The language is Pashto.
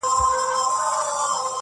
o پر ښو تلوار، پر بدو ځنډ.